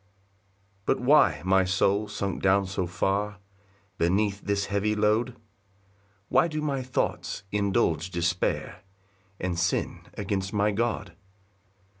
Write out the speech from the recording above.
5 But why, my soul, sunk down so far Beneath this heavy load? Why do my thoughts indulge despair, And sin against my God?